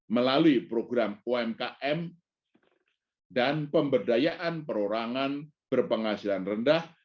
melalui program umkm dan pemberdayaan perorangan berpenghasilan rendah